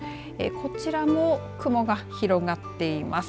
こちらも雲が広がっています。